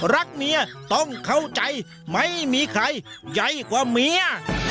รักเมียต้องเข้าใจไม่มีใครใหญ่กว่าเมีย